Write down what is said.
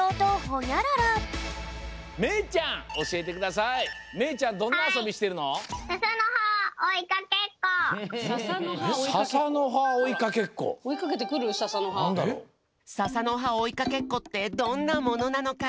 ささのはおいかけっこってどんなものなのか